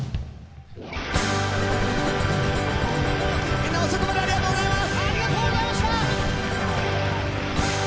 みんな遅くまでありがとうございます。